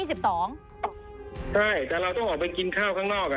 ใช่แต่เราต้องออกไปกินข้าวข้างนอก